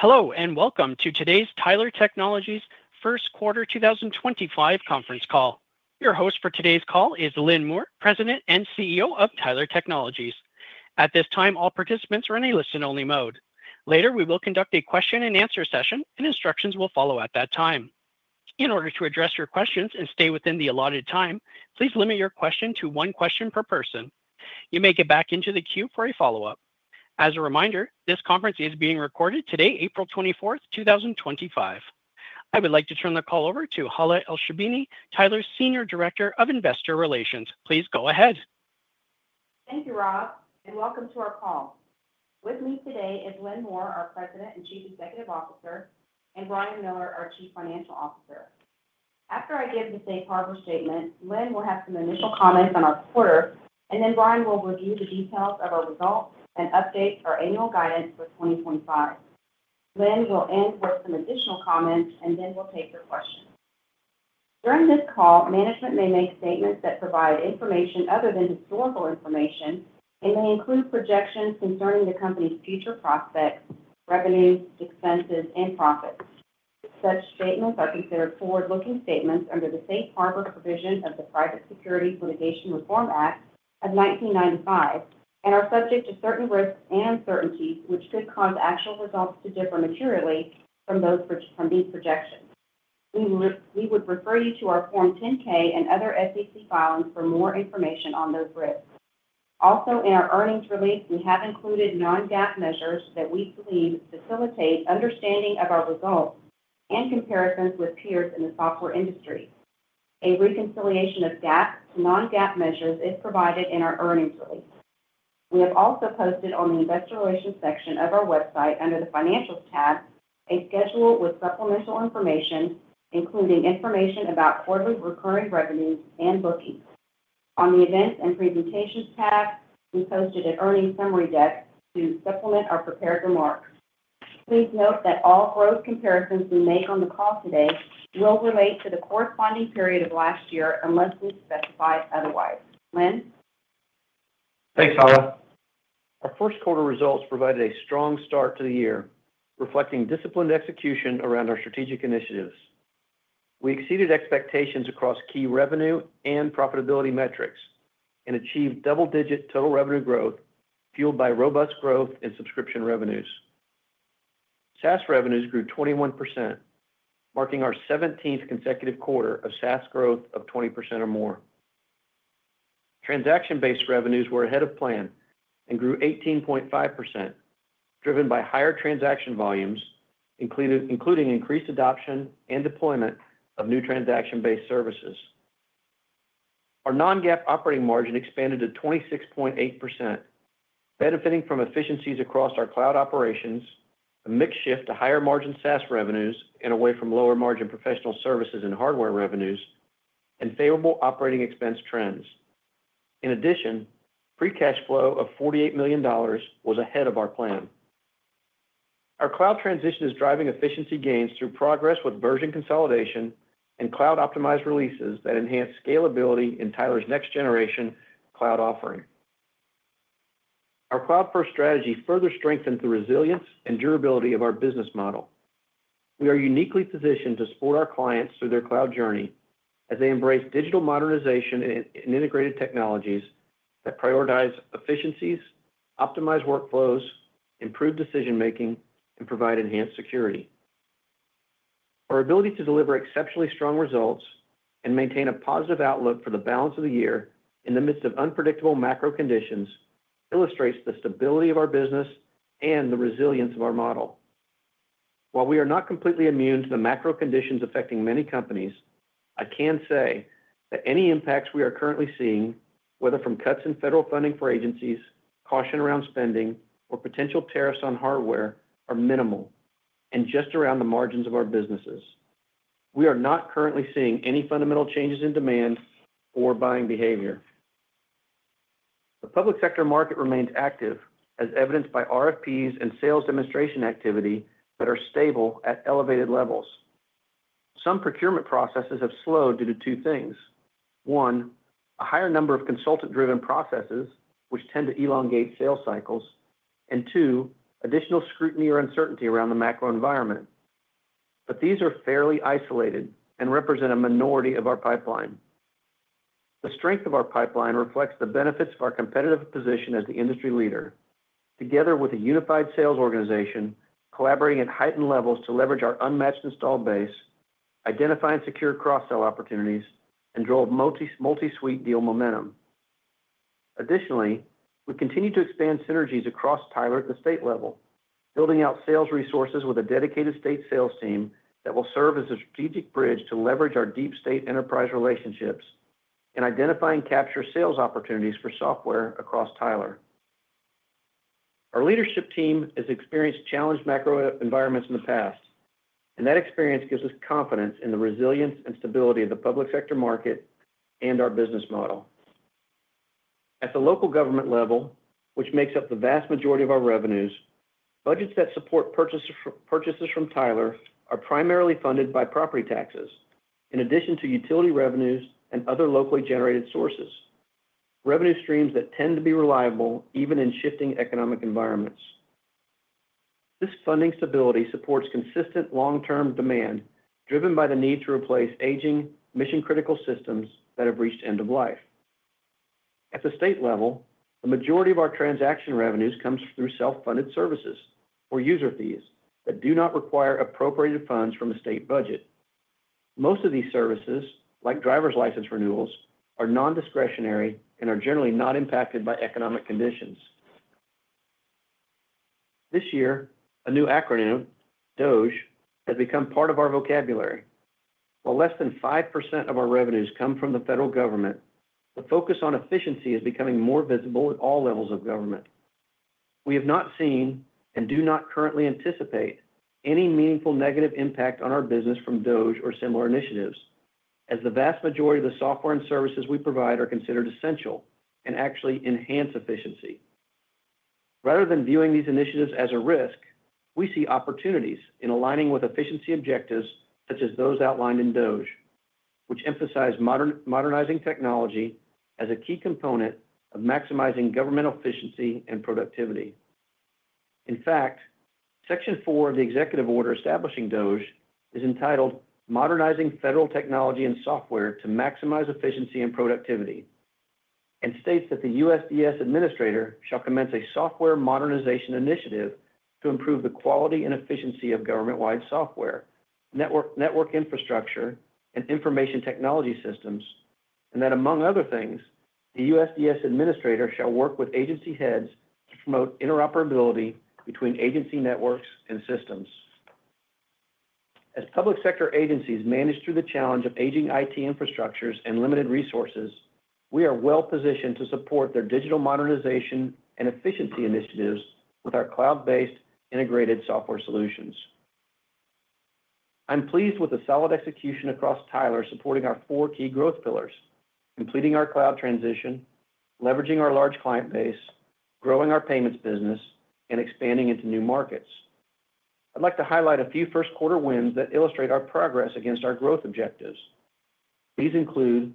Hello, and welcome to today's Tyler Technologies Q1 2025 conference call. Your host for today's call is Lynn Moore, President and CEO of Tyler Technologies. At this time, all participants are in a listen-only mode. Later, we will conduct a question-and-answer session, and instructions will follow at that time. In order to address your questions and stay within the allotted time, please limit your question to one question per person. You may get back into the queue for a follow-up. As a reminder, this conference is being recorded today, April 24, 2025. I would like to turn the call over to Hala Elsherbini, Tyler's Senior Director of Investor Relations. Please go ahead. Thank you, Rob, and welcome to our call. With me today is Lynn Moore, our President and Chief Executive Officer, and Brian Miller, our Chief Financial Officer. After I give the safe harbor statement, Lynn will have some initial comments on our quarter, and then Brian will review the details of our results and update our annual guidance for 2025. Lynn will end with some additional comments, and then we'll take your questions. During this call, management may make statements that provide information other than historical information and may include projections concerning the company's future prospects, revenues, expenses, and profits. Such statements are considered forward-looking statements under the Safe Harbor Provision of the Private Securities Litigation Reform Act of 1995 and are subject to certain risks and uncertainties, which could cause actual results to differ materially from these projections. We would refer you to our Form 10-K and other SEC filings for more information on those risks. Also, in our earnings release, we have included non-GAAP measures that we believe facilitate understanding of our results and comparisons with peers in the software industry. A reconciliation of GAAP to non-GAAP measures is provided in our earnings release. We have also posted on the Investor Relations section of our website under the Financials tab a schedule with supplemental information, including information about quarterly recurring revenues and bookings. On the Events and Presentations tab, we posted an earnings summary deck to supplement our prepared remarks. Please note that all growth comparisons we make on the call today will relate to the corresponding period of last year unless we specify otherwise. Lynn? Thanks, Hala. Our Q1 results provided a strong start to the year, reflecting disciplined execution around our strategic initiatives. We exceeded expectations across key revenue and profitability metrics and achieved double-digit total revenue growth fueled by robust growth in subscription revenues. SaaS revenues grew 21%, marking our 17th consecutive quarter of SaaS growth of 20% or more. Transaction-based revenues were ahead of plan and grew 18.5%, driven by higher transaction volumes, including increased adoption and deployment of new transaction-based services. Our non-GAAP operating margin expanded to 26.8%, benefiting from efficiencies across our cloud operations, a mix shift to higher-margin SaaS revenues and away from lower-margin professional services and hardware revenues, and favorable operating expense trends. In addition, free cash flow of $48 million was ahead of our plan. Our cloud transition is driving efficiency gains through progress with version consolidation and cloud-optimized releases that enhance scalability in Tyler's next-generation cloud offering. Our cloud-first strategy further strengthens the resilience and durability of our business model. We are uniquely positioned to support our clients through their cloud journey as they embrace digital modernization and integrated technologies that prioritize efficiencies, optimize workflows, improve decision-making, and provide enhanced security. Our ability to deliver exceptionally strong results and maintain a positive outlook for the balance of the year in the midst of unpredictable macro conditions illustrates the stability of our business and the resilience of our model. While we are not completely immune to the macro conditions affecting many companies, I can say that any impacts we are currently seeing, whether from cuts in federal funding for agencies, caution around spending, or potential tariffs on hardware, are minimal and just around the margins of our businesses. We are not currently seeing any fundamental changes in demand or buying behavior. The public sector market remains active, as evidenced by RFPs and sales demonstration activity that are stable at elevated levels. Some procurement processes have slowed due to two things: one, a higher number of consultant-driven processes, which tend to elongate sales cycles; and two, additional scrutiny or uncertainty around the macro environment. These are fairly isolated and represent a minority of our pipeline. The strength of our pipeline reflects the benefits of our competitive position as the industry leader, together with a unified sales organization collaborating at heightened levels to leverage our unmatched install base, identify and secure cross-sell opportunities, and drive multi-suite deal momentum. Additionally, we continue to expand synergies across Tyler at the state level, building out sales resources with a dedicated state sales team that will serve as a strategic bridge to leverage our deep state enterprise relationships and identify and capture sales opportunities for software across Tyler. Our leadership team has experienced challenged macro environments in the past, and that experience gives us confidence in the resilience and stability of the public sector market and our business model. At the local government level, which makes up the vast majority of our revenues, budgets that support purchases from Tyler are primarily funded by property taxes in addition to utility revenues and other locally generated sources, revenue streams that tend to be reliable even in shifting economic environments. This funding stability supports consistent long-term demand driven by the need to replace aging, mission-critical systems that have reached end of life. At the state level, the majority of our transaction revenues comes through self-funded services or user fees that do not require appropriated funds from the state budget. Most of these services, like driver's license renewals, are non-discretionary and are generally not impacted by economic conditions. This year, a new acronym, DOGE, has become part of our vocabulary. While less than 5% of our revenues come from the federal government, the focus on efficiency is becoming more visible at all levels of government. We have not seen and do not currently anticipate any meaningful negative impact on our business from DOGE or similar initiatives, as the vast majority of the software and services we provide are considered essential and actually enhance efficiency. Rather than viewing these initiatives as a risk, we see opportunities in aligning with efficiency objectives such as those outlined in DOGE, which emphasize modernizing technology as a key component of maximizing government efficiency and productivity. In fact, Section 4 of the Executive Order establishing DOGE is entitled "Modernizing Federal Technology and Software to Maximize Efficiency and Productivity" and states that the USDS Administrator shall commence a software modernization initiative to improve the quality and efficiency of government-wide software, network infrastructure, and information technology systems, and that, among other things, the USDS Administrator shall work with agency heads to promote interoperability between agency networks and systems. As public sector agencies manage through the challenge of aging IT infrastructures and limited resources, we are well-positioned to support their digital modernization and efficiency initiatives with our cloud-based integrated software solutions. I'm pleased with the solid execution across Tyler supporting our four key growth pillars: completing our cloud transition, leveraging our large client base, growing our payments business, and expanding into new markets. I'd like to highlight a few Q1 wins that illustrate our progress against our growth objectives. These include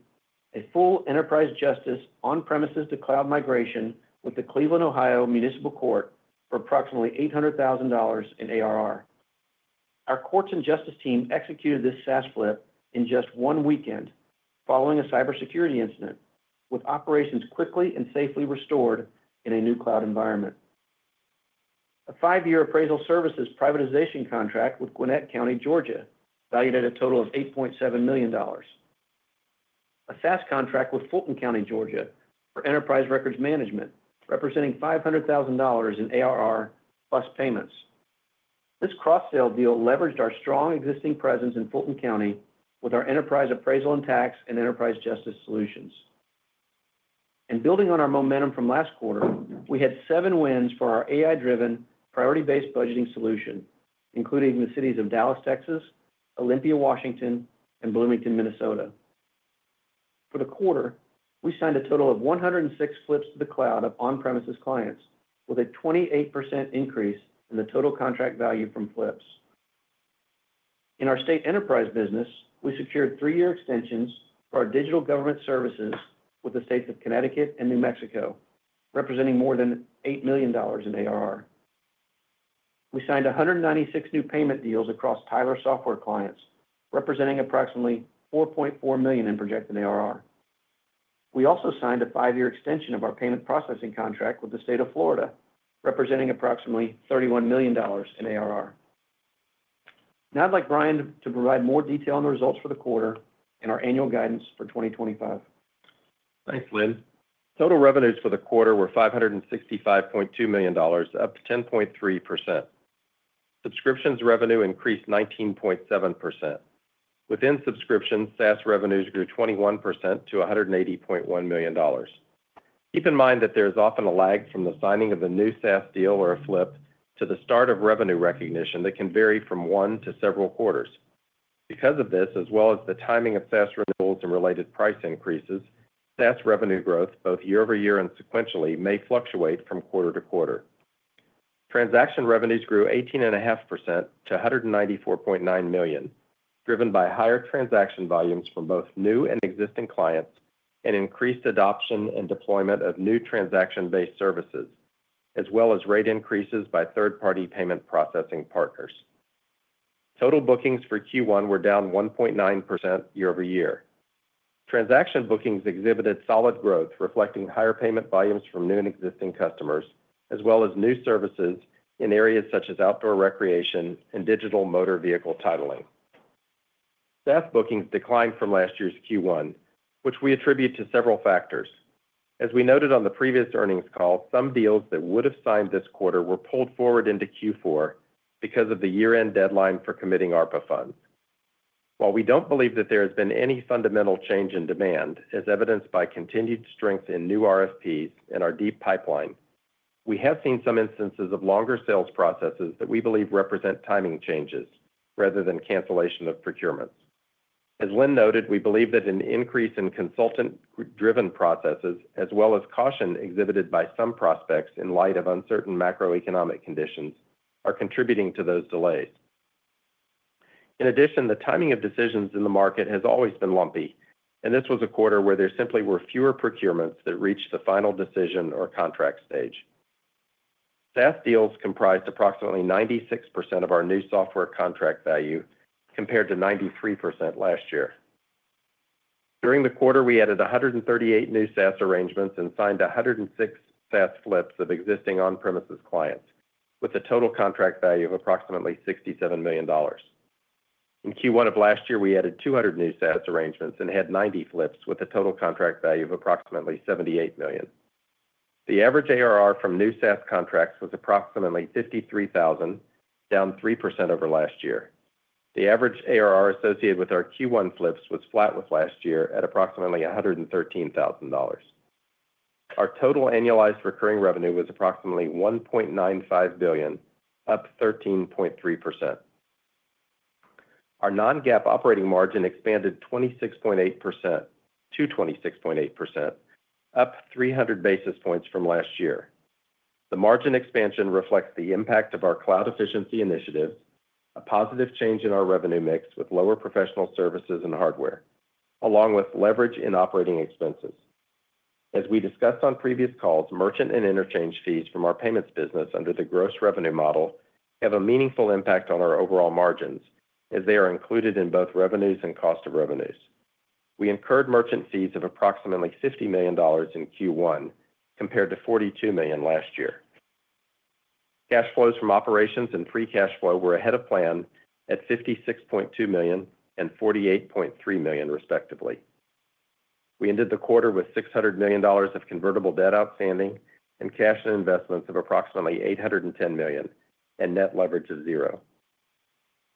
a full Enterprise Justice on-premises to cloud migration with the Cleveland, Ohio, Municipal Court for approximately $800,000 in ARR. Our courts and justice team executed this SaaS flip in just one weekend following a cybersecurity incident, with operations quickly and safely restored in a new cloud environment. A five-year appraisal services privatization contract with Gwinnett County, Georgia, valued at a total of $8.7 million. A SaaS contract with Fulton County, Georgia, for Enterprise Records Management, representing $500,000 in ARR plus payments. This cross-sale deal leveraged our strong existing presence in Fulton County with our enterprise appraisal and tax and Enterprise Justice solutions. Building on our momentum from last quarter, we had seven wins for our AI-driven, priority-based budgeting solution, including the cities of Dallas, Texas, Olympia, Washington, and Bloomington, Minnesota. For the quarter, we signed a total of 106 flips to the cloud of on-premises clients, with a 28% increase in the total contract value from flips. In our state enterprise business, we secured three-year extensions for our digital government services with the states of Connecticut and New Mexico, representing more than $8 million in ARR. We signed 196 new payment deals across Tyler software clients, representing approximately $4.4 million in projected ARR. We also signed a five-year extension of our payment processing contract with the state of Florida, representing approximately $31 million in ARR. Now I'd like Brian to provide more detail on the results for the quarter and our annual guidance for 2025. Thanks, Lynn. Total revenues for the quarter were $565.2 million, up 10.3%. Subscriptions revenue increased 19.7%. Within subscriptions, SaaS revenues grew 21% to $180.1 million. Keep in mind that there is often a lag from the signing of a new SaaS deal or a flip to the start of revenue recognition that can vary from one to several quarters. Because of this, as well as the timing of SaaS renewals and related price increases, SaaS revenue growth, both year-over-year and sequentially, may fluctuate from quarter to quarter. Transaction revenues grew 18.5% to $194.9 million, driven by higher transaction volumes from both new and existing clients and increased adoption and deployment of new transaction-based services, as well as rate increases by third-party payment processing partners. Total bookings for Q1 were down 1.9% year-over-year. Transaction bookings exhibited solid growth, reflecting higher payment volumes from new and existing customers, as well as new services in areas such as outdoor recreation and digital motor vehicle titling. SaaS bookings declined from last year's Q1, which we attribute to several factors. As we noted on the previous earnings call, some deals that would have signed this quarter were pulled forward into Q4 because of the year-end deadline for committing ARPA funds. While we do not believe that there has been any fundamental change in demand, as evidenced by continued strength in new RFPs and our deep pipeline, we have seen some instances of longer sales processes that we believe represent timing changes rather than cancellation of procurements. As Lynn noted, we believe that an increase in consultant-driven processes, as well as caution exhibited by some prospects in light of uncertain macroeconomic conditions, are contributing to those delays. In addition, the timing of decisions in the market has always been lumpy, and this was a quarter where there simply were fewer procurements that reached the final decision or contract stage. SaaS deals comprised approximately 96% of our new software contract value, compared to 93% last year. During the quarter, we added 138 new SaaS arrangements and signed 106 SaaS flips of existing on-premises clients, with a total contract value of approximately $67 million. In Q1 of last year, we added 200 new SaaS arrangements and had 90 flips, with a total contract value of approximately $78 million. The average ARR from new SaaS contracts was approximately $53,000, down 3% over last year. The average ARR associated with our Q1 flips was flat with last year at approximately $113,000. Our total annualized recurring revenue was approximately $1.95 billion, up 13.3%. Our non-GAAP operating margin expanded 26.8%-26.8%, up 300 basis points from last year. The margin expansion reflects the impact of our cloud efficiency initiatives, a positive change in our revenue mix with lower professional services and hardware, along with leverage in operating expenses. As we discussed on previous calls, merchant and interchange fees from our payments business under the gross revenue model have a meaningful impact on our overall margins, as they are included in both revenues and cost of revenues. We incurred merchant fees of approximately $50 million in Q1, compared to $42 million last year. Cash flows from operations and free cash flow were ahead of plan at $56.2 million and $48.3 million, respectively. We ended the quarter with $600 million of convertible debt outstanding and cash and investments of approximately $810 million and net leverage of zero.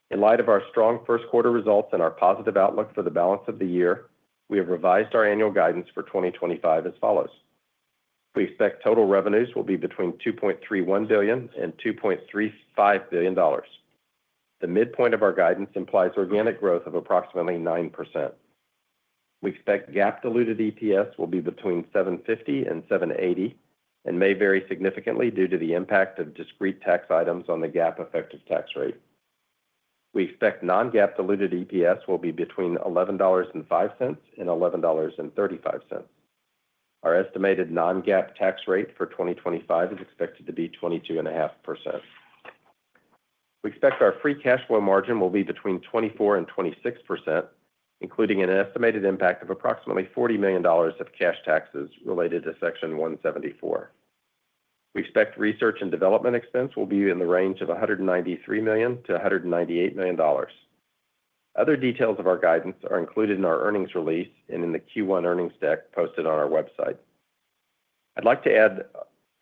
In light of our strong Q1 results and our positive outlook for the balance of the year, we have revised our annual guidance for 2025 as follows. We expect total revenues will be between $2.31 billion and $2.35 billion. The midpoint of our guidance implies organic growth of approximately 9%. We expect GAAP-diluted EPS will be between $7.50 and $7.80 and may vary significantly due to the impact of discrete tax items on the GAAP effective tax rate. We expect non-GAAP-diluted EPS will be between $11.05 and $11.35. Our estimated non-GAAP tax rate for 2025 is expected to be 22.5%. We expect our free cash flow margin will be between 24% and 26%, including an estimated impact of approximately $40 million of cash taxes related to Section 174. We expect research and development expense will be in the range of $193 million-$198 million. Other details of our guidance are included in our earnings release and in the Q1 earnings deck posted on our website. I'd like to add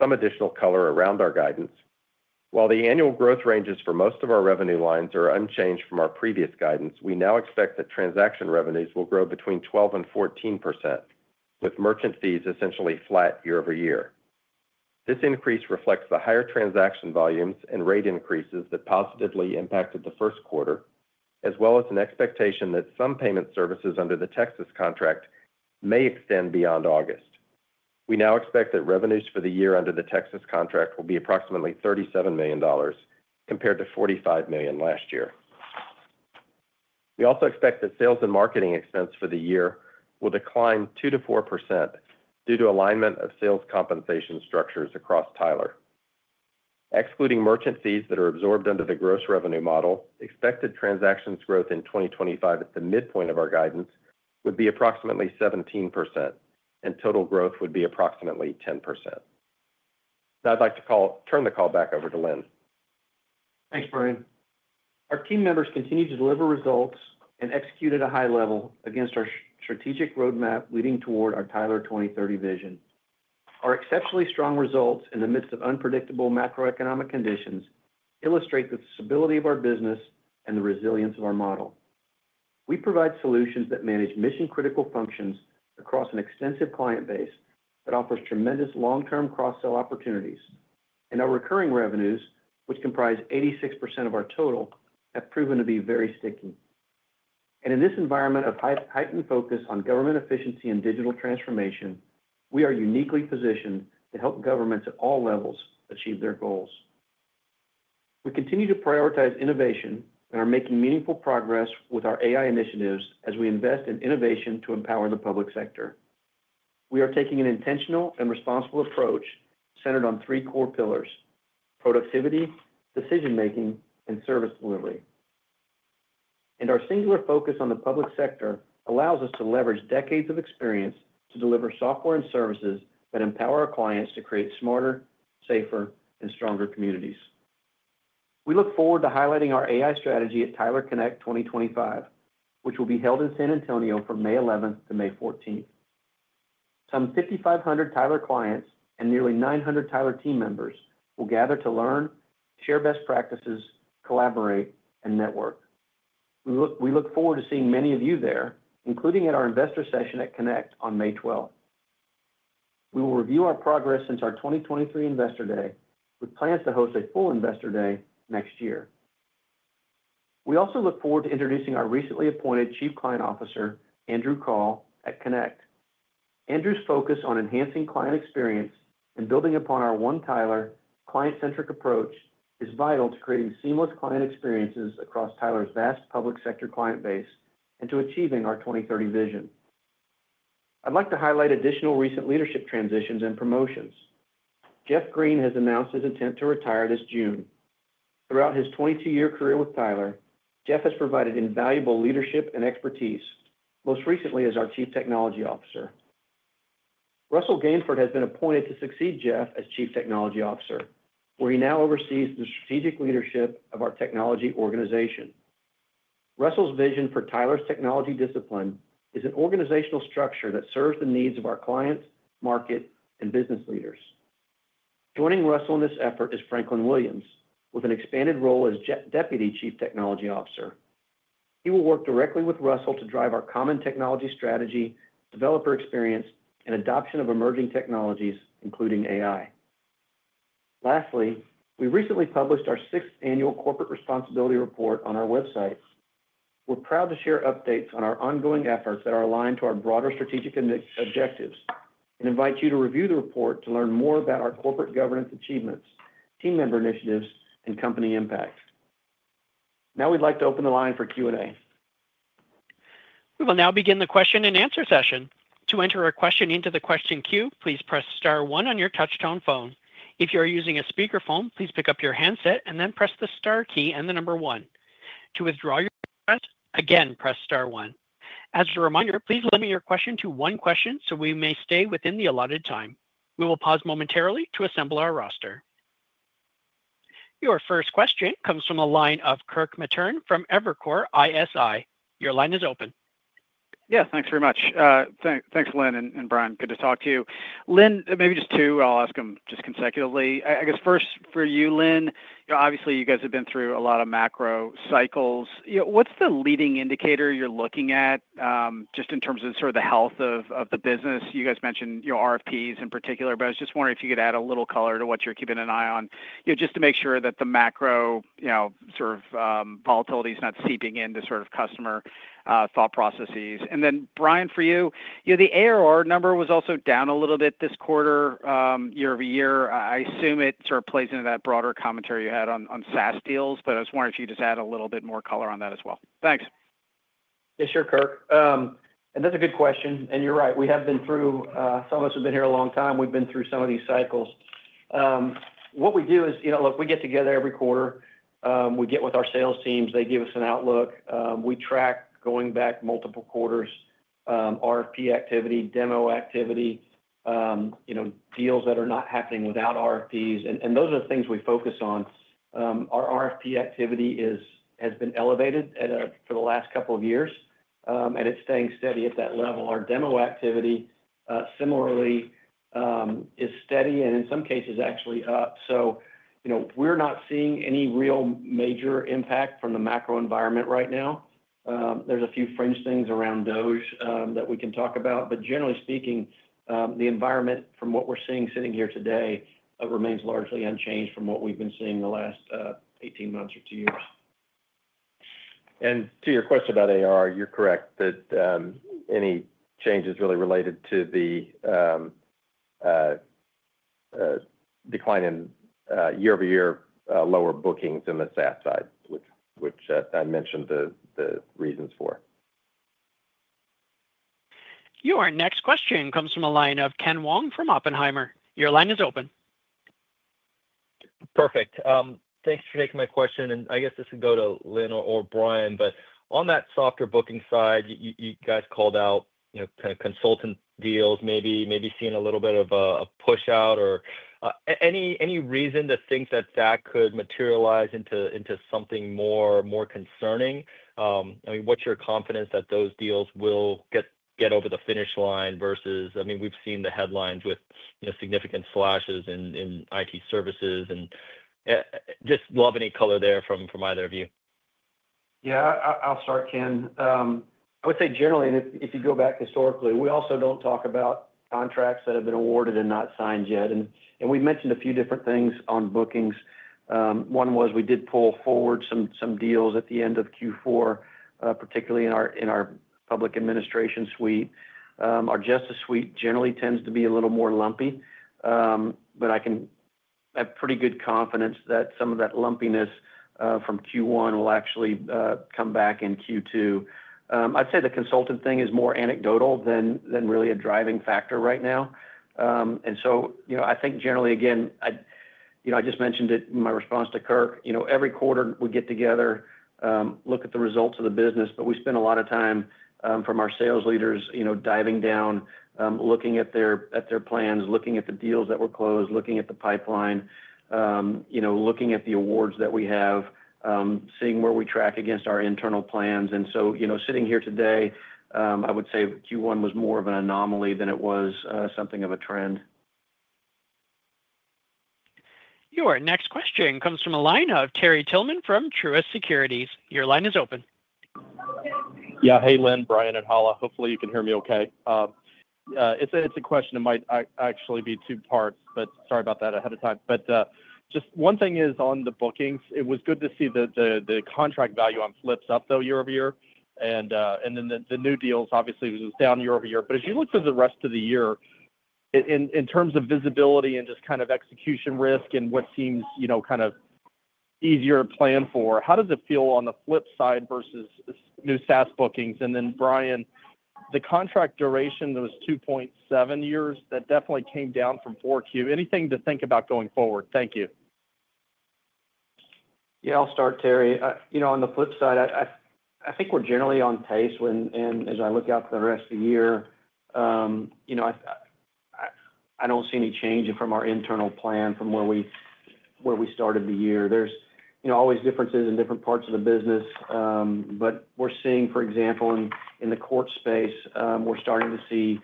some additional color around our guidance. While the annual growth ranges for most of our revenue lines are unchanged from our previous guidance, we now expect that transaction revenues will grow between 12% and 14%, with merchant fees essentially flat year-over-year. This increase reflects the higher transaction volumes and rate increases that positively impacted the Q1, as well as an expectation that some payment services under the Texas contract may extend beyond August. We now expect that revenues for the year under the Texas contract will be approximately $37 million, compared to $45 million last year. We also expect that sales and marketing expense for the year will decline 2%-4% due to alignment of sales compensation structures across Tyler. Excluding merchant fees that are absorbed under the gross revenue model, expected transactions growth in 2025 at the midpoint of our guidance would be approximately 17%, and total growth would be approximately 10%. Now I'd like to turn the call back over to Lynn. Thanks, Brian. Our team members continue to deliver results and execute at a high level against our strategic roadmap leading toward our Tyler 2030 vision. Our exceptionally strong results in the midst of unpredictable macroeconomic conditions illustrate the stability of our business and the resilience of our model. We provide solutions that manage mission-critical functions across an extensive client base that offers tremendous long-term cross-sale opportunities, and our recurring revenues, which comprise 86% of our total, have proven to be very sticky. In this environment of heightened focus on government efficiency and digital transformation, we are uniquely positioned to help governments at all levels achieve their goals. We continue to prioritize innovation and are making meaningful progress with our AI initiatives as we invest in innovation to empower the public sector. We are taking an intentional and responsible approach centered on three core pillars: productivity, decision-making, and service delivery. Our singular focus on the public sector allows us to leverage decades of experience to deliver software and services that empower our clients to create smarter, safer, and stronger communities. We look forward to highlighting our AI strategy at Tyler Connect 2025, which will be held in San Antonio from May 11th to May 14th. Some 5,500 Tyler clients and nearly 900 Tyler team members will gather to learn, share best practices, collaborate, and network. We look forward to seeing many of you there, including at our investor session at Connect on May 12th. We will review our progress since our 2023 Investor Day, with plans to host a full Investor Day next year. We also look forward to introducing our recently appointed Chief Client Officer, Andrew Call, at Connect. Andrew's focus on enhancing client experience and building upon our One Tyler client-centric approach is vital to creating seamless client experiences across Tyler's vast public sector client base and to achieving our 2030 vision. I'd like to highlight additional recent leadership transitions and promotions. Jeff Green has announced his intent to retire this June. Throughout his 22-year career with Tyler, Jeff has provided invaluable leadership and expertise, most recently as our Chief Technology Officer. Russell Gainford has been appointed to succeed Jeff as Chief Technology Officer, where he now oversees the strategic leadership of our technology organization. Russell's vision for Tyler's technology discipline is an organizational structure that serves the needs of our clients, market, and business leaders. Joining Russell in this effort is Franklin Williams, with an expanded role as Deputy Chief Technology Officer. He will work directly with Russell to drive our common technology strategy, developer experience, and adoption of emerging technologies, including AI. Lastly, we recently published our sixth annual corporate responsibility report on our website. We are proud to share updates on our ongoing efforts that are aligned to our broader strategic objectives and invite you to review the report to learn more about our corporate governance achievements, team member initiatives, and company impact. Now we would like to open the line for Q&A. We will now begin the question and answer session. To enter a question into the question queue, please press Star 1 on your touch-tone phone. If you are using a speakerphone, please pick up your handset and then press the Star key and the number 1. To withdraw your question, again, press Star 1. As a reminder, please limit your question to one question so we may stay within the allotted time. We will pause momentarily to assemble our roster. Your first question comes from the line of Kirk Materne from Evercore ISI. Your line is open. Yeah, thanks very much. Thanks, Lynn and Brian. Good to talk to you. Lynn, maybe just two. I'll ask them just consecutively. I guess first for you, Lynn, obviously you guys have been through a lot of macro cycles. What's the leading indicator you're looking at just in terms of sort of the health of the business? You guys mentioned your RFPs in particular, but I was just wondering if you could add a little color to what you're keeping an eye on just to make sure that the macro sort of volatility is not seeping into sort of customer thought processes. Then Brian, for you, the ARR number was also down a little bit this quarter, year-over-year. I assume it sort of plays into that broader commentary you had on SaaS deals, but I was wondering if you could just add a little bit more color on that as well. Thanks. Yes, sure, Kirk. That's a good question. You're right. We have been through, some of us have been here a long time. We've been through some of these cycles. What we do is, look, we get together every quarter. We get with our sales teams. They give us an outlook. We track, going back multiple quarters, RFP activity, demo activity, deals that are not happening without RFPs. Those are the things we focus on. Our RFP activity has been elevated for the last couple of years, and it's staying steady at that level. Our demo activity, similarly, is steady and in some cases actually up. We're not seeing any real major impact from the macro environment right now. There's a few fringe things around DOGE that we can talk about, but generally speaking, the environment from what we're seeing sitting here today remains largely unchanged from what we've been seeing the last 18 months or two years. To your question about ARR, you're correct that any changes really related to the decline in year-over-year lower bookings in the SaaS side, which I mentioned the reasons for. Your next question comes from a line of Ken Wong from Oppenheimer. Your line is open. Perfect. Thanks for taking my question. I guess this would go to Lynn or Brian, but on that softer booking side, you guys called out kind of consultant deals, maybe seeing a little bit of a push-out. Any reason to think that that could materialize into something more concerning? I mean, what's your confidence that those deals will get over the finish line versus, I mean, we've seen the headlines with significant slashes in IT services and just love any color there from either of you. Yeah, I'll start, Ken. I would say generally, and if you go back historically, we also don't talk about contracts that have been awarded and not signed yet. We mentioned a few different things on bookings. One was we did pull forward some deals at the end of Q4, particularly in our public administration suite. Our justice suite generally tends to be a little more lumpy, but I have pretty good confidence that some of that lumpiness from Q1 will actually come back in Q2. I would say the consultant thing is more anecdotal than really a driving factor right now. I think generally, again, I just mentioned it in my response to Kirk. Every quarter, we get together, look at the results of the business, but we spend a lot of time from our sales leaders diving down, looking at their plans, looking at the deals that were closed, looking at the pipeline, looking at the awards that we have, seeing where we track against our internal plans. Sitting here today, I would say Q1 was more of an anomaly than it was something of a trend. Your next question comes from a line of Terry Tillman from Truist Securities. Your line is open. Yeah, hey, Lynn, Brian at Hala. Hopefully, you can hear me okay. It's a question that might actually be two parts, but sorry about that ahead of time. Just one thing is on the bookings, it was good to see the contract value on flips up though year-over-year. The new deals, obviously, it was down year-over-year. As you look through the rest of the year, in terms of visibility and just kind of execution risk and what seems kind of easier to plan for, how does it feel on the flip side versus new SaaS bookings? Brian, the contract duration that was 2.7 years, that definitely came down from Q4. Anything to think about going forward? Thank you. Yeah, I'll start, Terry. On the flip side, I think we're generally on pace as I look out for the rest of the year. I don't see any change from our internal plan from where we started the year. There's always differences in different parts of the business, but we're seeing, for example, in the court space, we're starting to see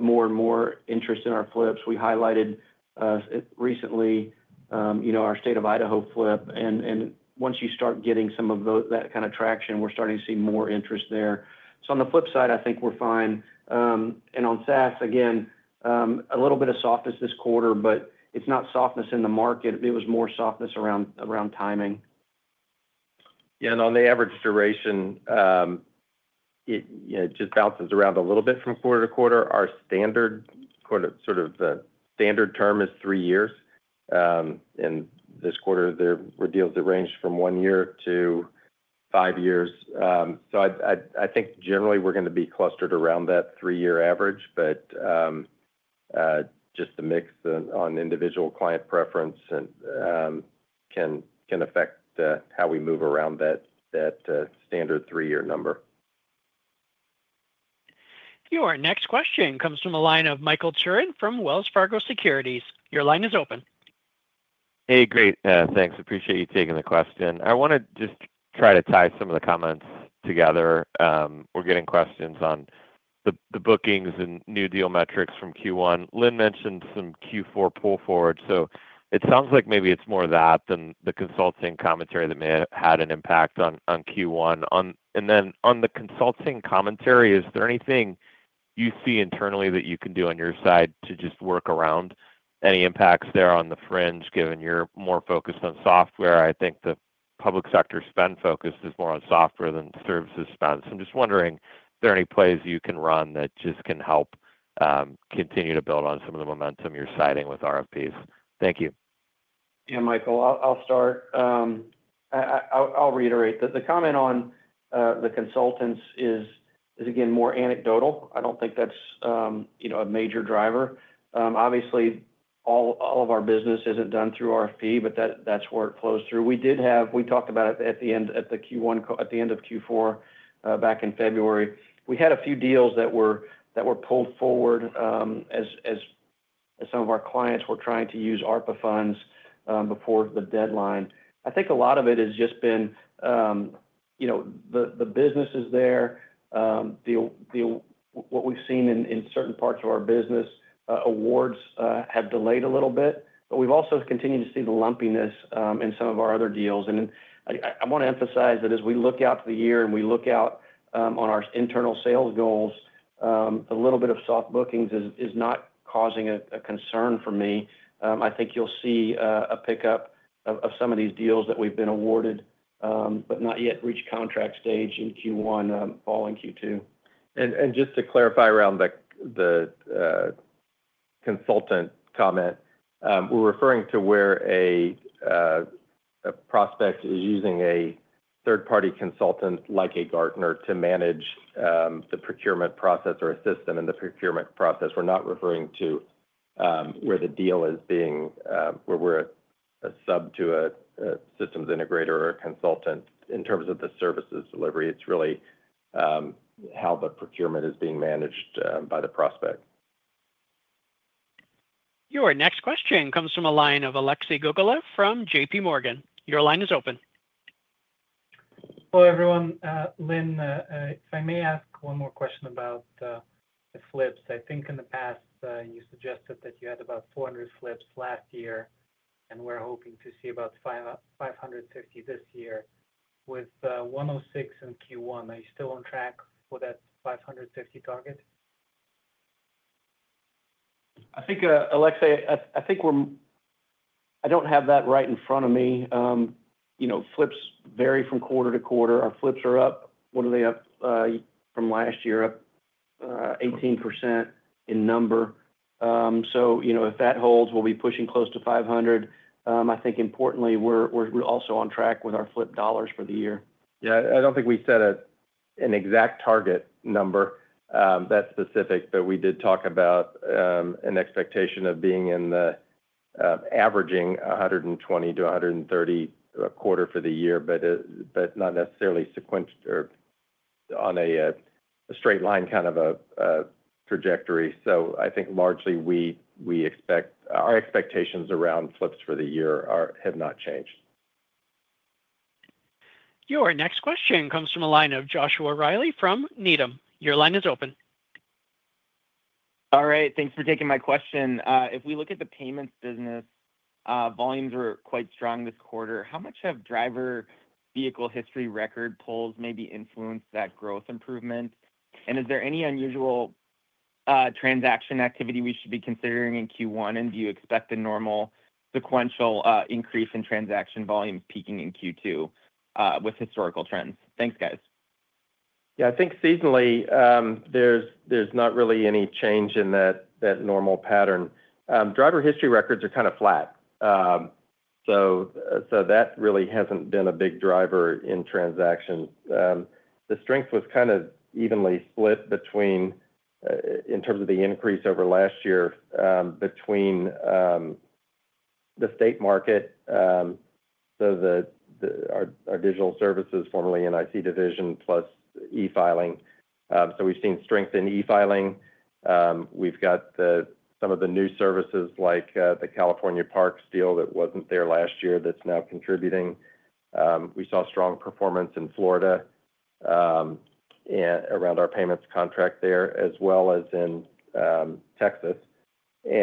more and more interest in our flips. We highlighted recently our state of Idaho flip. Once you start getting some of that kind of traction, we're starting to see more interest there. On the flip side, I think we're fine. On SaaS, again, a little bit of softness this quarter, but it's not softness in the market. It was more softness around timing. Yeah, on the average duration, it just bounces around a little bit from quarter to quarter. Our standard sort of standard term is three years. This quarter, there were deals that ranged from one year to five years. I think generally we're going to be clustered around that three-year average, but just the mix on individual client preference can affect how we move around that standard three-year number. Your next question comes from a line of Michael Turrin from Wells Fargo Securities. Your line is open. Hey, great. Thanks. Appreciate you taking the question. I want to just try to tie some of the comments together. We're getting questions on the bookings and new deal metrics from Q1. Lynn mentioned some Q4 pull forward. It sounds like maybe it's more that than the consulting commentary that may have had an impact on Q1. On the consulting commentary, is there anything you see internally that you can do on your side to just work around any impacts there on the fringe given you're more focused on software? I think the public sector spend focus is more on software than services spend. I'm just wondering if there are any plays you can run that just can help continue to build on some of the momentum you're citing with RFPs. Thank you. Yeah, Michael, I'll start. I'll reiterate. The comment on the consultants is, again, more anecdotal. I don't think that's a major driver. Obviously, all of our business isn't done through RFP, but that's where it flows through. We talked about it at the end of Q4 back in February. We had a few deals that were pulled forward as some of our clients were trying to use ARPA funds before the deadline. I think a lot of it has just been the business is there. What we've seen in certain parts of our business, awards have delayed a little bit, but we've also continued to see the lumpiness in some of our other deals. I want to emphasize that as we look out to the year and we look out on our internal sales goals, a little bit of soft bookings is not causing a concern for me. I think you'll see a pickup of some of these deals that we've been awarded, but not yet reach contract stage in Q1, falling Q2. Just to clarify around the consultant comment, we're referring to where a prospect is using a third-party consultant like Gartner to manage the procurement process or assist them in the procurement process. We're not referring to where the deal is being where we're a sub to a systems integrator or a consultant in terms of the services delivery. It's really how the procurement is being managed by the prospect. Your next question comes from a line of Alexei Gogolev from J.P. Morgan. Your line is open. Hello everyone. Lynn, if I may ask one more question about the flips. I think in the past, you suggested that you had about 400 flips last year, and we're hoping to see about 550 this year with 106 in Q1. Are you still on track for that 550 target? I think, Alexei, I think we're—I don't have that right in front of me. Flips vary from quarter to quarter. Our flips are up. What are they up from last year? Up 18% in number. If that holds, we'll be pushing close to 500. I think importantly, we're also on track with our flip dollars for the year. Yeah, I don't think we set an exact target number that specific, but we did talk about an expectation of being in the averaging 120-130 a quarter for the year, but not necessarily sequential or on a straight line kind of a trajectory. I think largely we expect our expectations around flips for the year have not changed. Your next question comes from a line of Joshua Riley from Needham. Your line is open. All right. Thanks for taking my question. If we look at the payments business, volumes were quite strong this quarter. How much have driver vehicle history record pulls maybe influenced that growth improvement? Is there any unusual transaction activity we should be considering in Q1? Do you expect a normal sequential increase in transaction volumes peaking in Q2 with historical trends? Thanks, guys. Yeah, I think seasonally there's not really any change in that normal pattern. Driver history records are kind of flat. That really hasn't been a big driver in transactions. The strength was kind of evenly split in terms of the increase over last year between the state market, so our digital services, formerly NIC division, plus e-filing. We've seen strength in e-filing. We've got some of the new services like the California Parks deal that wasn't there last year that's now contributing. We saw strong performance in Florida around our payments contract there, as well as in Texas. We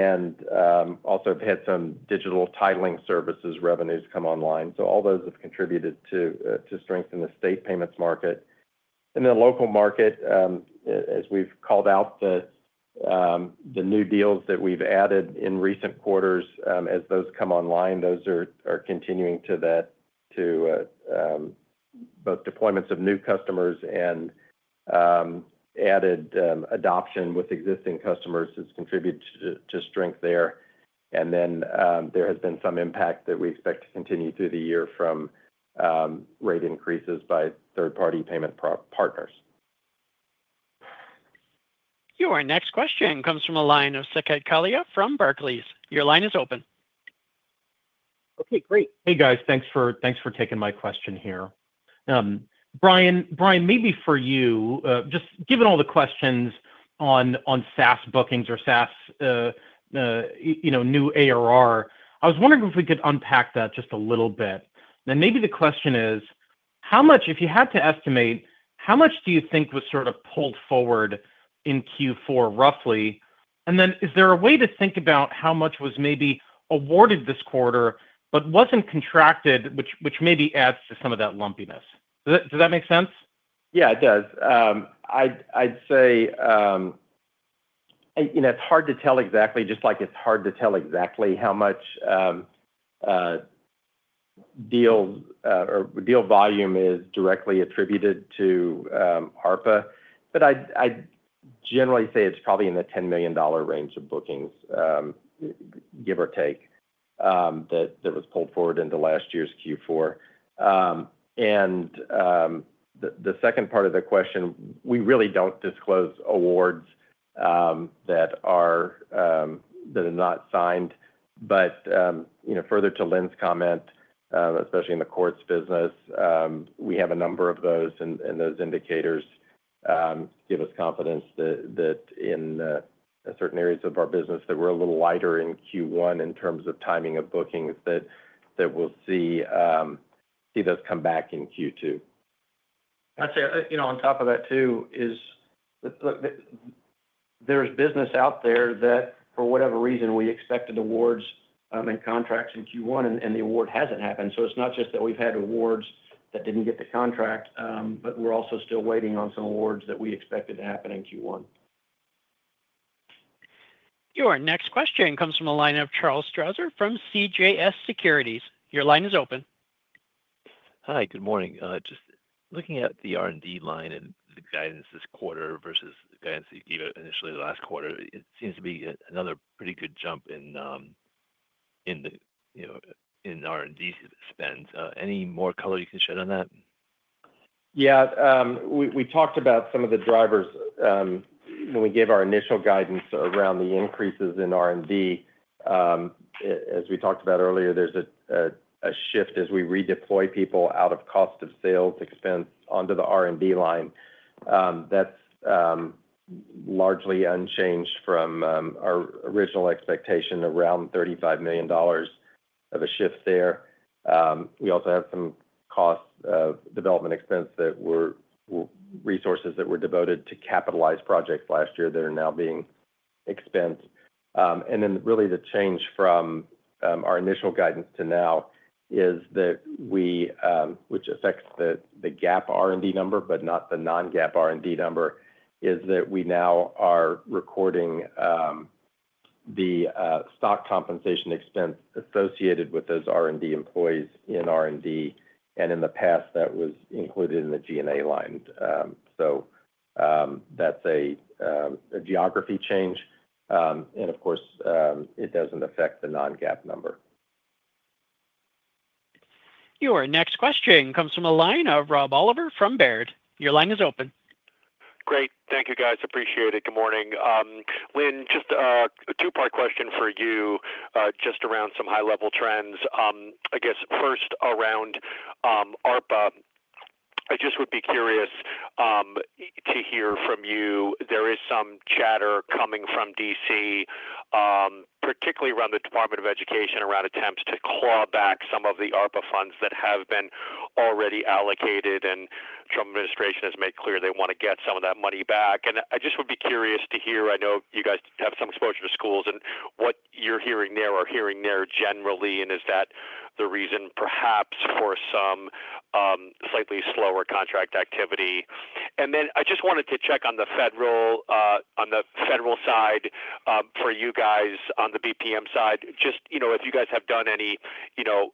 also have had some digital titling services revenues come online. All those have contributed to strength in the state payments market. Local market, as we've called out the new deals that we've added in recent quarters, as those come online, those are continuing to, that to both deployments of new customers and added adoption with existing customers has contributed to strength there. There has been some impact that we expect to continue through the year from rate increases by third-party payment partners. Your next question comes from a line of Saket Kalia from Barclays. Your line is open. Okay, great. Hey, guys, thanks for taking my question here. Brian, maybe for you, just given all the questions on SaaS bookings or SaaS new ARR, I was wondering if we could unpack that just a little bit. Maybe the question is, if you had to estimate, how much do you think was sort of pulled forward in Q4 roughly? Is there a way to think about how much was maybe awarded this quarter, but was not contracted, which maybe adds to some of that lumpiness? Does that make sense? Yeah, it does. I'd say it's hard to tell exactly, just like it's hard to tell exactly how much deal volume is directly attributed to ARPA. I'd generally say it's probably in the $10 million range of bookings, give or take, that was pulled forward into last year's Q4. The second part of the question, we really don't disclose awards that are not signed. Further to Lynn's comment, especially in the courts business, we have a number of those, and those indicators give us confidence that in certain areas of our business that we're a little lighter in Q1 in terms of timing of bookings that we'll see those come back in Q2. I'd say on top of that too, there's business out there that for whatever reason we expected awards and contracts in Q1, and the award hasn't happened. It's not just that we've had awards that didn't get the contract, but we're also still waiting on some awards that we expected to happen in Q1. Your next question comes from a line of Charles Strauzer from CJS Securities. Your line is open. Hi, good morning. Just looking at the R&D line and the guidance this quarter versus the guidance you gave initially last quarter, it seems to be another pretty good jump in R&D spend. Any more color you can shed on that? Yeah, we talked about some of the drivers when we gave our initial guidance around the increases in R&D. As we talked about earlier, there's a shift as we redeploy people out of cost of sales expense onto the R&D line. That's largely unchanged from our original expectation around $35 million of a shift there. We also have some cost development expense that were resources that were devoted to capitalize projects last year that are now being expensed. Really the change from our initial guidance to now is that we, which affects the GAAP R&D number, but not the non-GAAP R&D number, is that we now are recording the stock compensation expense associated with those R&D employees in R&D. In the past, that was included in the G&A line. That's a geography change. Of course, it doesn't affect the non-GAAP number. Your next question comes from a line of Rob Oliver from Baird. Your line is open. Great. Thank you, guys. Appreciate it. Good morning. Lynn, just a two-part question for you just around some high-level trends. I guess first around ARPA, I just would be curious to hear from you. There is some chatter coming from D.C., particularly around the Department of Education around attempts to claw back some of the ARPA funds that have been already allocated. The Trump administration has made clear they want to get some of that money back. I just would be curious to hear, I know you guys have some exposure to schools, and what you're hearing there generally. Is that the reason perhaps for some slightly slower contract activity? I just wanted to check on the federal side for you guys on the BPM side. Just if you guys have done any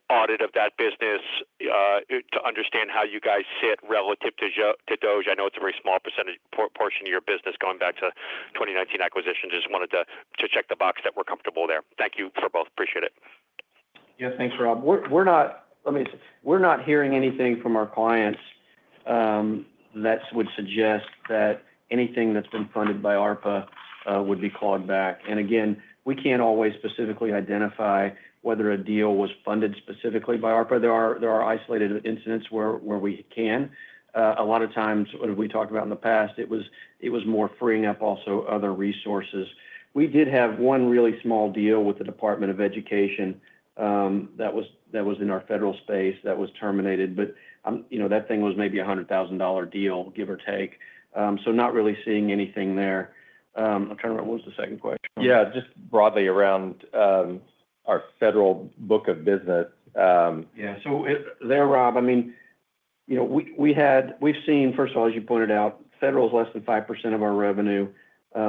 audit of that business to understand how you guys sit relative to DOGE. I know it's a very small portion of your business going back to 2019 acquisition. Just wanted to check the box that we're comfortable there. Thank you for both. Appreciate it. Yeah, thanks, Rob. We're not hearing anything from our clients that would suggest that anything that's been funded by ARPA would be clawed back. Again, we can't always specifically identify whether a deal was funded specifically by ARPA. There are isolated incidents where we can. A lot of times, what we talked about in the past, it was more freeing up also other resources. We did have one really small deal with the Department of Education that was in our federal space that was terminated. That thing was maybe a $100,000 deal, give or take. Not really seeing anything there. I'm trying to remember what was the second question. Yeah, just broadly around our federal book of business. Yeah. There, Rob, I mean, we've seen, first of all, as you pointed out, federal is less than 5% of our revenue.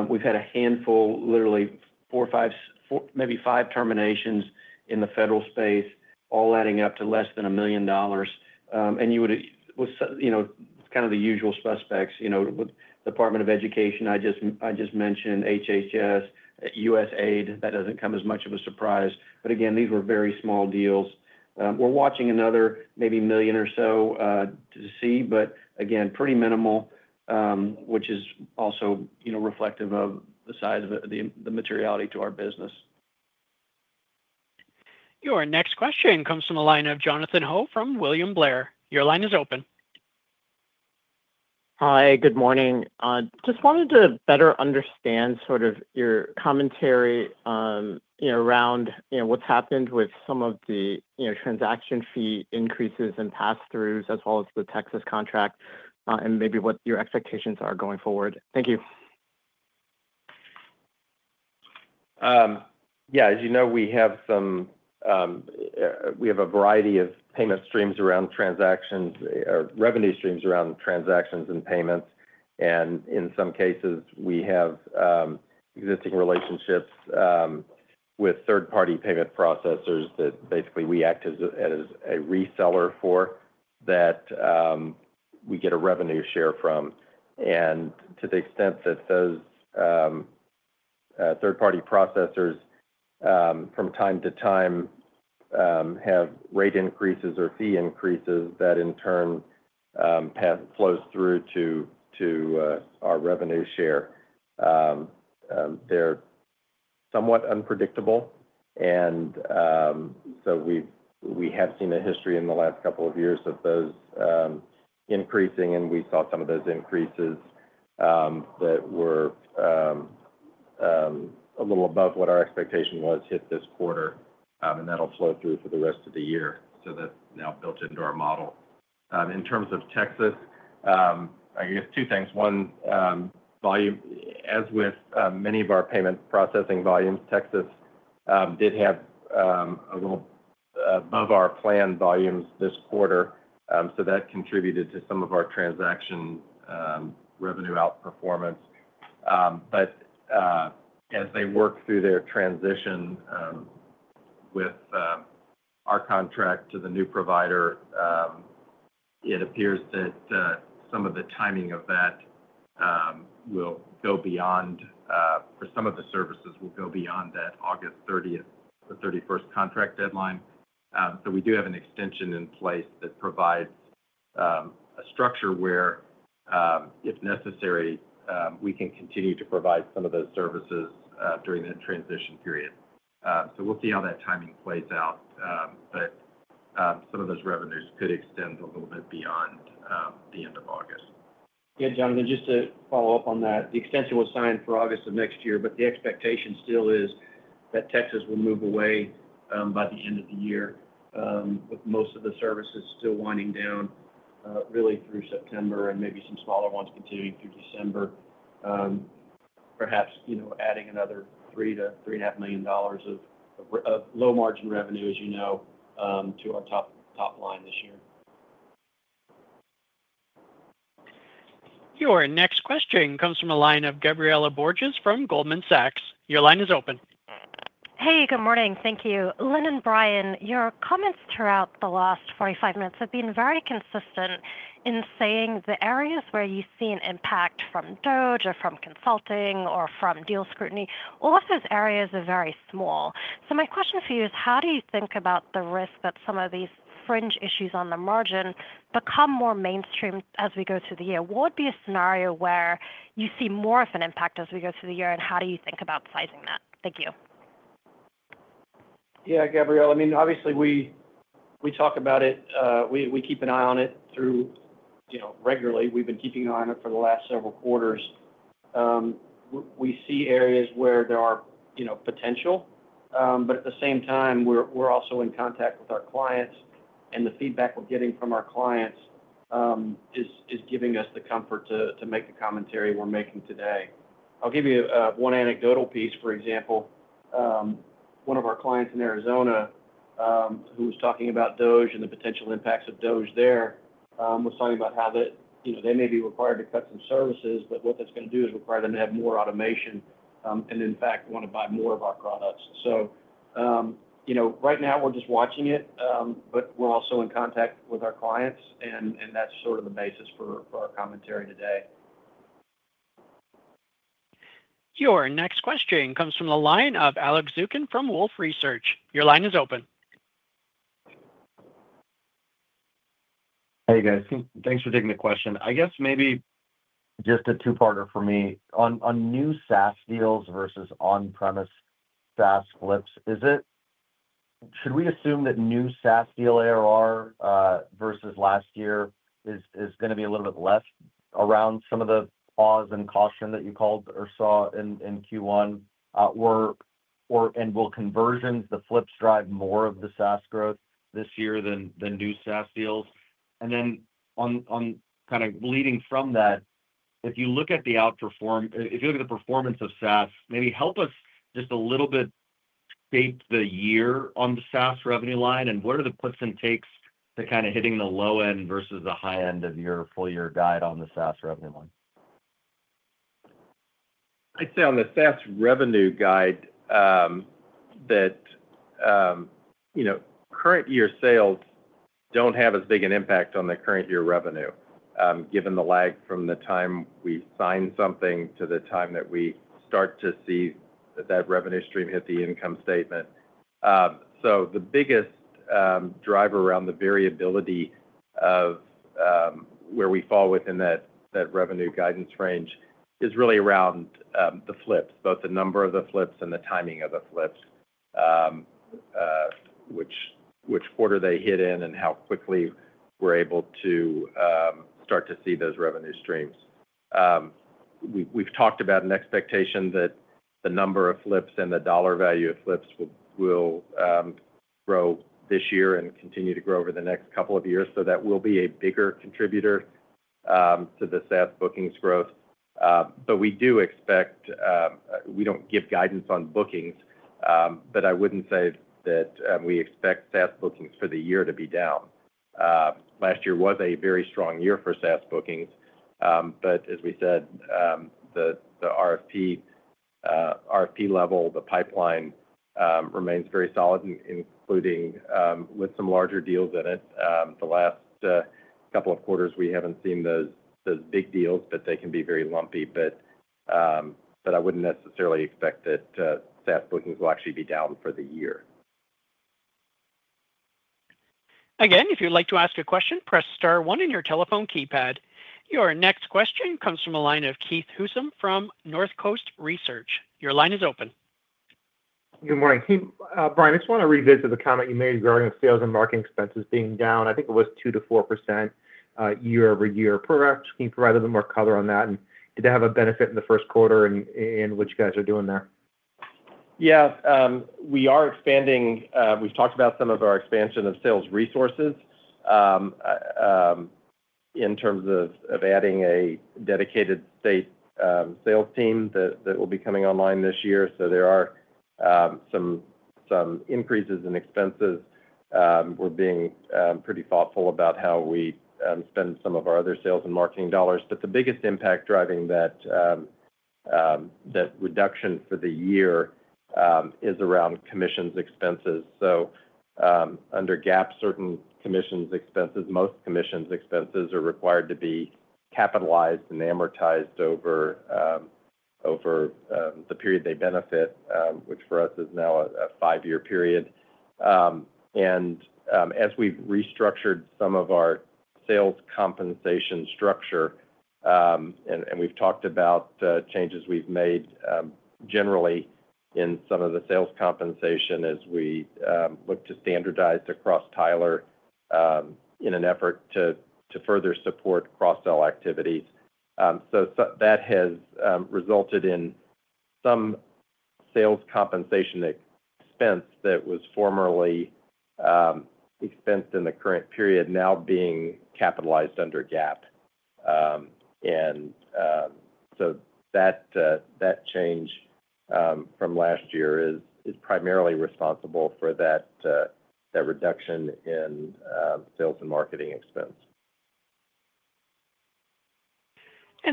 We've had a handful, literally four, five, maybe five terminations in the federal space, all adding up to less than $1 million. It's kind of the usual suspects. The Department of Education, I just mentioned, HHS, USAID, that doesn't come as much of a surprise. Again, these were very small deals. We're watching another maybe $1 million or so to see, but again, pretty minimal, which is also reflective of the size of the materiality to our business. Your next question comes from a line of Jonathan Ho from William Blair. Your line is open. Hi, good morning. Just wanted to better understand sort of your commentary around what's happened with some of the transaction fee increases and pass-throughs, as well as the Texas contract, and maybe what your expectations are going forward. Thank you. Yeah, as you know, we have a variety of payment streams around transactions or revenue streams around transactions and payments. In some cases, we have existing relationships with third-party payment processors that basically we act as a reseller for that we get a revenue share from. To the extent that those third-party processors from time to time have rate increases or fee increases, that in turn flows through to our revenue share, they're somewhat unpredictable. We have seen a history in the last couple of years of those increasing, and we saw some of those increases that were a little above what our expectation was hit this quarter. That'll flow through for the rest of the year. That's now built into our model. In terms of Texas, I guess two things. One, volume. As with many of our payment processing volumes, Texas did have a little above our planned volumes this quarter. That contributed to some of our transaction revenue outperformance. As they work through their transition with our contract to the new provider, it appears that some of the timing of that will go beyond, for some of the services, will go beyond that August 30th, the 31st contract deadline. We do have an extension in place that provides a structure where, if necessary, we can continue to provide some of those services during that transition period. We will see how that timing plays out. Some of those revenues could extend a little bit beyond the end of August. Yeah, Jonathan, just to follow up on that, the extension was signed for August of next year, but the expectation still is that Texas will move away by the end of the year with most of the services still winding down really through September and maybe some smaller ones continuing through December. Perhaps adding another $3 million-$3.5 million of low-margin revenue, as you know, to our top line this year. Your next question comes from a line of Gabriela Borges from Goldman Sachs. Your line is open. Hey, good morning. Thank you. Lynn and Brian, your comments throughout the last 45 minutes have been very consistent in saying the areas where you see an impact from DOGE or from consulting or from deal scrutiny, all of those areas are very small. My question for you is, how do you think about the risk that some of these fringe issues on the margin become more mainstream as we go through the year? What would be a scenario where you see more of an impact as we go through the year, and how do you think about sizing that? Thank you. Yeah, Gabriela, I mean, obviously, we talk about it. We keep an eye on it regularly. We've been keeping an eye on it for the last several quarters. We see areas where there are potential. At the same time, we're also in contact with our clients, and the feedback we're getting from our clients is giving us the comfort to make the commentary we're making today. I'll give you one anecdotal piece. For example, one of our clients in Arizona who was talking about DOGE and the potential impacts of DOGE there was talking about how they may be required to cut some services, but what that's going to do is require them to have more automation and, in fact, want to buy more of our products. Right now, we're just watching it, but we're also in contact with our clients, and that's sort of the basis for our commentary today. Your next question comes from the line of Alex Zukin from Wolfe Research. Your line is open. Hey, guys. Thanks for taking the question. I guess maybe just a two-parter for me. On new SaaS deals versus on-premise SaaS flips, should we assume that new SaaS deal ARR versus last year is going to be a little bit less around some of the pause and caution that you called or saw in Q1? Will conversions, the flips drive more of the SaaS growth this year than new SaaS deals? Kind of leading from that, if you look at the outperform, if you look at the performance of SaaS, maybe help us just a little bit shape the year on the SaaS revenue line. What are the puts and takes to kind of hitting the low end versus the high end of your full-year guide on the SaaS revenue line? I'd say on the SaaS revenue guide that current-year sales don't have as big an impact on the current-year revenue, given the lag from the time we sign something to the time that we start to see that revenue stream hit the income statement. The biggest driver around the variability of where we fall within that revenue guidance range is really around the flips, both the number of the flips and the timing of the flips, which quarter they hit in and how quickly we're able to start to see those revenue streams. We've talked about an expectation that the number of flips and the dollar value of flips will grow this year and continue to grow over the next couple of years. That will be a bigger contributor to the SaaS bookings growth. We do expect, we do not give guidance on bookings, but I would not say that we expect SaaS bookings for the year to be down. Last year was a very strong year for SaaS bookings. As we said, the RFP level, the pipeline remains very solid, including with some larger deals in it. The last couple of quarters, we have not seen those big deals, but they can be very lumpy. I would not necessarily expect that SaaS bookings will actually be down for the year. Again, if you'd like to ask a question, press star one on your telephone keypad. Your next question comes from the line of Keith Housum from Northcoast Research. Your line is open. Good morning. Hey, Brian, I just want to revisit the comment you made regarding the sales and marketing expenses being down. I think it was 2%-4% year-over-year. Perhaps can you provide a little more color on that, and did it have a benefit in the first quarter in what you guys are doing there? Yeah. We are expanding. We've talked about some of our expansion of sales resources in terms of adding a dedicated state sales team that will be coming online this year. There are some increases in expenses. We're being pretty thoughtful about how we spend some of our other sales and marketing dollars. The biggest impact driving that reduction for the year is around commissions expenses. Under GAAP, certain commissions expenses, most commissions expenses, are required to be capitalized and amortized over the period they benefit, which for us is now a five-year period. As we've restructured some of our sales compensation structure, and we've talked about changes we've made generally in some of the sales compensation as we look to standardize across Tyler in an effort to further support cross-sell activities. That has resulted in some sales compensation expense that was formerly expensed in the current period now being capitalized under GAAP. That change from last year is primarily responsible for that reduction in sales and marketing expense.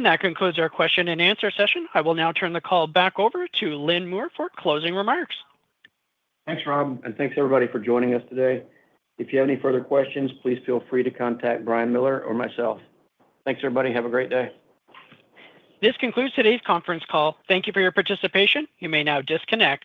That concludes our question and answer session. I will now turn the call back over to Lynn Moore for closing remarks. Thanks, Rob. Thanks, everybody, for joining us today. If you have any further questions, please feel free to contact Brian Miller or myself. Thanks, everybody. Have a great day. This concludes today's conference call. Thank you for your participation. You may now disconnect.